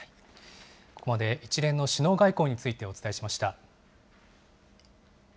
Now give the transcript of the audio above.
ここまで一連の首脳外交についてお伝えしました。